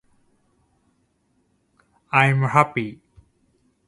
i'm happy